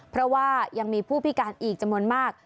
เพราะว่ายังมีผู้พิการอีกจำนวนมาก